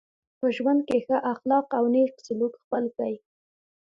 په ژوند کي ښه اخلاق او نېک سلوک خپل کئ.